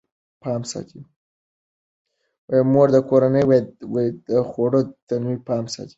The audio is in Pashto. مور د کورنۍ د خوړو د تنوع پام ساتي.